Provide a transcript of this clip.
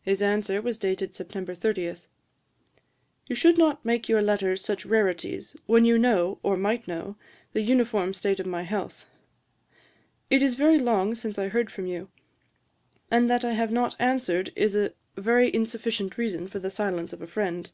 His answer was dated September 30: 'You should not make your letters such rarities, when you know, or might know, the uniform state of my health. It is very long since I heard from you; and that I have not answered is a very insufficient reason for the silence of a friend.